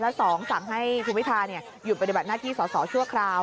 และ๒สั่งให้คุณพิทาหยุดปฏิบัติหน้าที่สอสอชั่วคราว